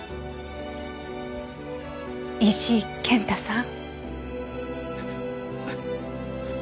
石井健太さん。